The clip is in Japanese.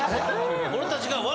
俺たちが。